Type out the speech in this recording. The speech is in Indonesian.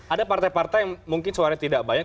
ada partai partai yang mungkin suaranya tidak banyak